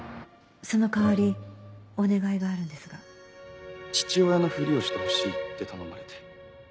その代わりお願いがあるんですが父親のふりをしてほしいって頼まれて。